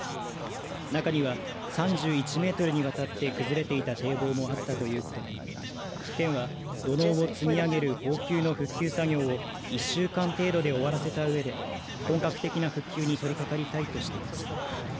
中には３１メートルにわたって崩れていた堤防もあったということで県は、土のうを積み上げる応急の復旧作業を１週間程度で終わらせたうえで本格的な復旧に取りかかりたいとしています。